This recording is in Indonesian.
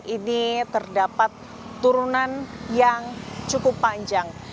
ini terdapat turunan yang cukup panjang